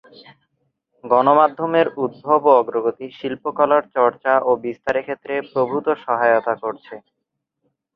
গণমাধ্যমের উদ্ভব ও অগ্রগতি শিল্পকলার চর্চা ও বিস্তারের ক্ষেত্রে প্রভূত সহায়তা করছে।